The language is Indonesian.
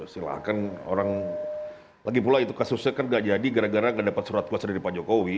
silahkan orang lagi pula itu kasusnya kan gak jadi gara gara gak dapat surat kuasa dari pak jokowi